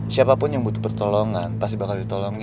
siapapun yang butuh pertolongan pasti bakal ditolongin